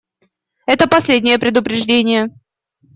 Это последнее предупреждение.